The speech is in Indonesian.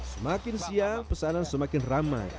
semakin siang pesanan semakin ramai